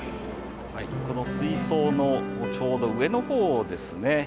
この水槽のちょうど上のほうですね。